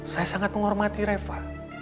saya sangat menghormati reva